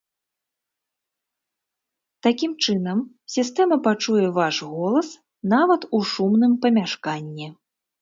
Такім чынам, сістэма пачуе ваш голас нават у шумным памяшканні.